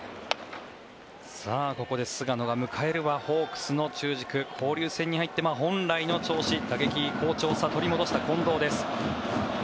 ここで菅野が迎えるはホークスの中軸交流戦に入って本来の調子、打撃好調さを取り戻した近藤です。